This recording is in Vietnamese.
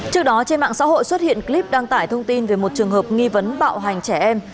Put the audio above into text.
trước đó trên mạng xã hội xuất hiện clip đăng tải thông tin về một trường hợp nghi vấn bạo hành trẻ em